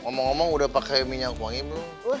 ngomong ngomong udah pakai minyak wangi belum